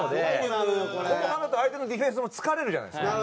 後半だと相手のディフェンスも疲れるじゃないですか。